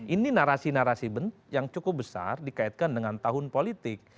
ini narasi narasi yang cukup besar dikaitkan dengan tahun politik